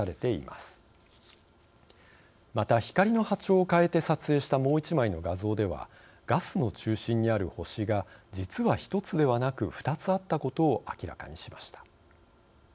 また光の波長を変えて撮影したもう一枚の画像ではガスの中心にある星が実は１つではなく２つあったことを明らかにしました。